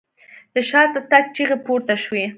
د شاته تګ چيغې پورته شوې.